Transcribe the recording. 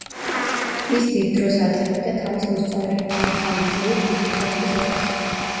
ის დიდ დროს ატარებდა თავის მოსწავლეებთან, ხანგრძლივი განმარტოების დროს.